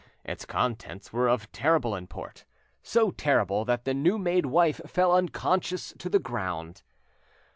Its contents were of terrible import, so terrible that the new made wife fell unconscious to the ground.